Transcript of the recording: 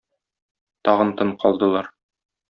Тагын тын калдылар.